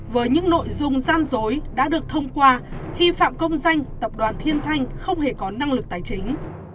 với những nội dung gian dối đã được thông qua khi phạm công danh tập đoàn thiên thanh không hề có năng lực tài chính